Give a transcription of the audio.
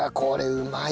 うまい。